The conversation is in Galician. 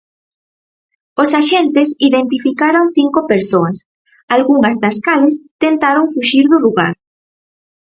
Os axentes identificaron cinco persoas, algunhas das cales tentaron fuxir do lugar.